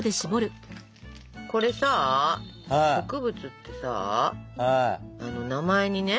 これさ植物ってさ名前にね